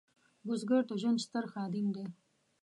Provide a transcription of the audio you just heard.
بزګر د ژوند ستر خادم دی